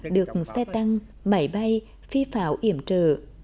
được xe tăng máy bay phi pháo yểm trợ